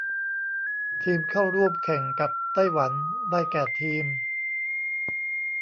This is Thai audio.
ทีมเข้าร่วมแข่งกับไต้หวันได้แก่ทีม